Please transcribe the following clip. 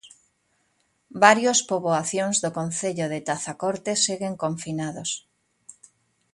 Varios poboacións do concello de Tazacorte seguen confinados.